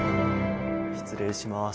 失礼します。